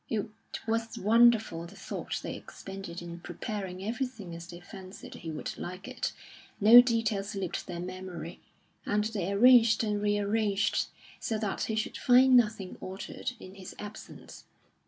It was wonderful the thought they expended in preparing everything as they fancied he would like it; no detail slipped their memory, and they arranged and rearranged so that he should find nothing altered in his absence.